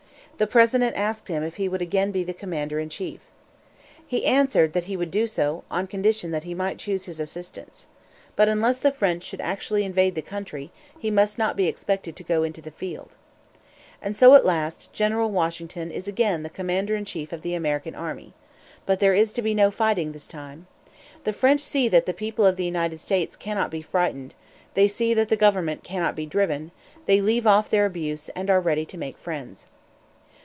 The President asked him if he would again be the commander in chief. He answered that he would do so, on condition that he might choose his assistants. But unless the French should actually invade this country, he must not be expected to go into the field. And so, at the last, General Washington is again the commander in chief of the American army. But there is to be no fighting this time. The French see that the people of the United States cannot be frightened; they see that the government cannot be driven; they leave off their abuse, and are ready to make friends.